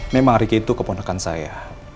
memang riki itu keponakan saya